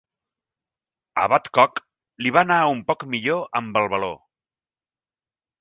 A Badcock, li va anar un poc millor amb el baló.